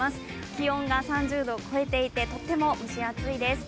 気温が３０度を超えていてとても蒸し暑いです。